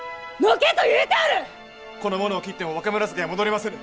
この者を斬っても若紫は戻りませぬ！